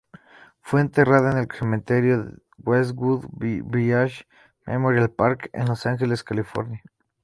Fue enterrada en el cementerio Westwood Village Memorial Park, en Los Ángeles, California.